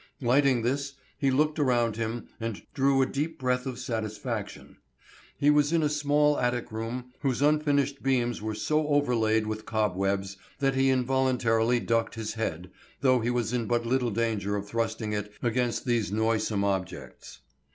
Lighting this, he looked around him and drew a deep breath of satisfaction. He was in a small attic room whose unfinished beams were so overlaid with cobwebs that he involuntarily ducked his head, though he was in but little danger of thrusting it against these noisome objects.